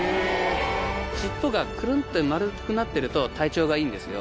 尻尾がクルンって丸くなってると体調がいいんですよ。